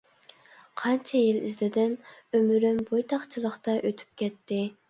قانچە يىل ئىزدىدىم، ئۆمرۈم بويتاقچىلىقتا ئۆتۈپ كەتتى.